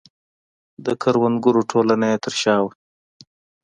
د کروندګرو ټولنه یې تر شا وه.